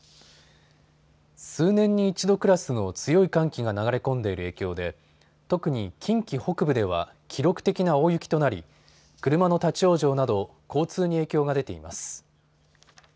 数年に一度クラスの強い寒気が流れ込んでいる影響で特に近畿北部では記録的な大雪となり、車の立往生など交通に影響が出ています。